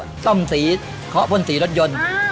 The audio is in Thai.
ส้มสีเคาะพ่นสีรถยนต์